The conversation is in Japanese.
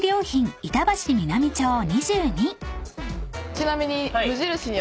ちなみに。